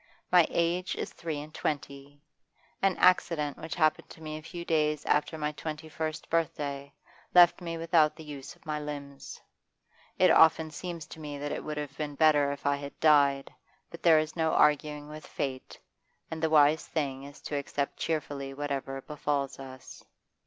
My age is three and twenty; an accident which happened to me a few days after my twenty first birthday left me without the use of my limbs; it often seems to me that it would have been better if I had died, but there is no arguing with fate, and the wise thing is to accept cheerfully whatever befalls us.